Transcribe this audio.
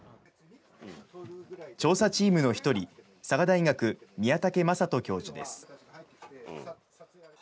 調査チームの一人、佐賀大学、宮武正登教授です。